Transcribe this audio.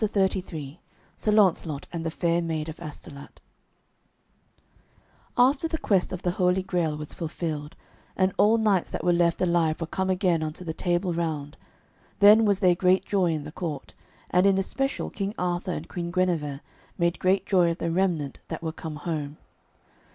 CHAPTER XXXIII SIR LAUNCELOT AND THE FAIR MAID OF ASTOLAT After the quest of the Holy Grail was fulfilled, and all knights that were left alive were come again unto the Table Round, then was there great joy in the court, and in especial King Arthur and Queen Guenever made great joy of the remnant that were come home.